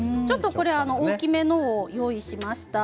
大きめのものをご用意しました。